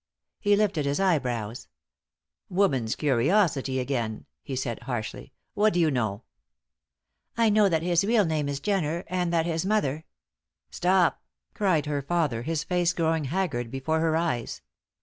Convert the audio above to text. He lifted his eyebrows. "Woman's curiosity again," he said, harshly. "What do you know?" "I know that his real name is Jenner, and that his mother " "Stop!" cried her father, his face growing haggard before her eyes.